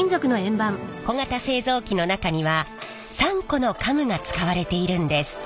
小型製造機の中には３個のカムが使われているんです。